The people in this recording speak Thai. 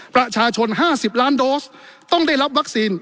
ประชาชน๕๐ล้านโดสต้องได้รับวัคซีน